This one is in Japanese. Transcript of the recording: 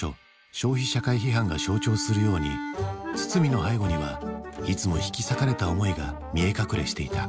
「消費社会批判」が象徴するように堤の背後にはいつも引き裂かれた思いが見え隠れしていた。